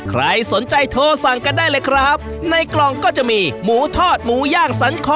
ใครสนใจโทรสั่งกันได้เลยครับในกล่องก็จะมีหมูทอดหมูย่างสันคอ